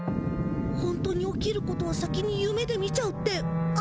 本当に起きることを先にゆめで見ちゃうってあれかな？